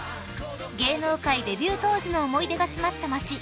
［芸能界デビュー当時の思い出が詰まった街